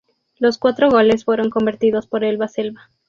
Los cuatro goles fueron convertidos por Elba Selva.